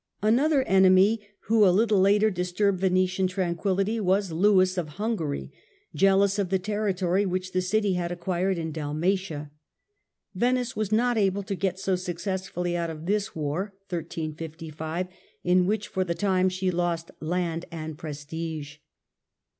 Another enemy who a little later disturbed Venetian War be tranquillity was Lewis of Hungary, jealous of the terri Venice aud tory which the city had acquired in Dalmatia. Venice J^ss^*^'^' was not able to get so successfully out of this war, in which for the time she lost land and prestige.